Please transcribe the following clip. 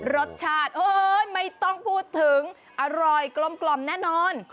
รสชาติไม่ต้องพูดถึงอร่อยกลมแน่นอน